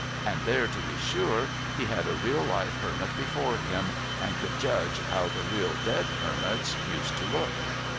And there to be sure, he had a real live Hermit before him, and could judge how the real dead Hermits used to look.